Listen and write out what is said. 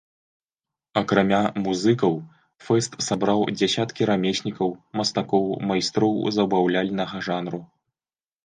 Акрамя музыкаў, фэст сабраў дзясяткі рамеснікаў, мастакоў, майстроў забаўляльнага жанру.